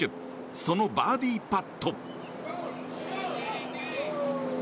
そのバーディーパット。